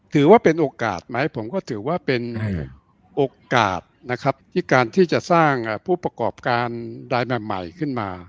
ถือว่าเป็นโอกาสไหมผมก็ถือว่าเป็นโอกาสนะครับที่การที่จะสร้างผู้ประกอบการรายใหม่ขึ้นมา